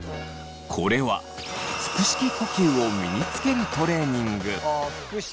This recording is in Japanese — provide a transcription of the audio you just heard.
これは腹式呼吸を身につけるトレーニング。